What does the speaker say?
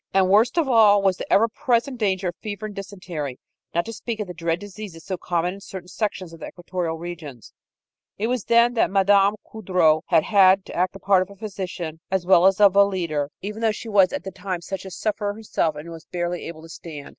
And worst of all was the ever present danger of fever and dysentery, not to speak of the dread diseases so common in certain sections of the equatorial regions. It was then that Mme. Coudreau had to act the part of a physician, as well as of a leader, even though she was at the time such a sufferer herself that she was barely able to stand.